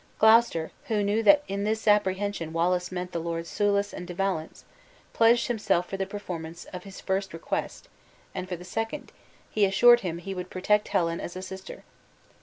Gloucester, who knew that in this apprehension Wallace meant the Lords Soulis and De Valence, pledged himself for the performance of his first request; and for the second, he assured him he would protect Helen as a sister.